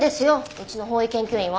うちの法医研究員は。